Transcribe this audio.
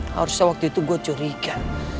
harusnya waktu itu gue curiga